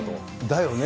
だよね。